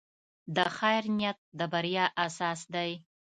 د خیر نیت د بریا اساس دی.